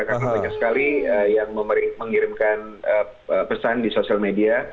karena banyak sekali yang mengirimkan pesan di sosial media